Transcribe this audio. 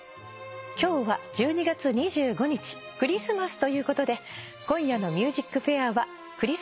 今日は１２月２５日クリスマスということで今夜の『ＭＵＳＩＣＦＡＩＲ』は。